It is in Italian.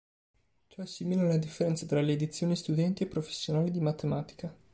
Ciò è simile alla differenza tra le edizioni studenti e professionali di Mathematica.